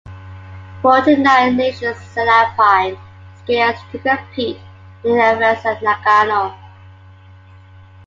Forty-nine nations sent alpine skiers to compete in the events in Nagano.